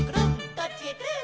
「どっちへくるん」